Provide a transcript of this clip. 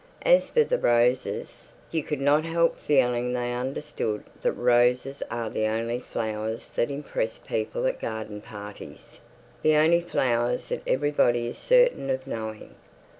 As for the roses, you could not help feeling they understood that roses are the only flowers that impress people at garden parties; the only flowers that everybody is certain of knowing.